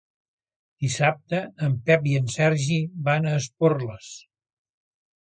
Dissabte en Pep i en Sergi van a Esporles.